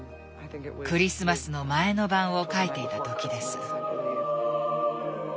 「クリスマスのまえのばん」を描いていた時です。